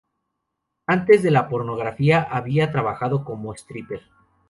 Antes de la pornografía, había trabajado como stripper.